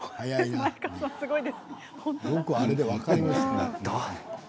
よくあれで分かりましたね。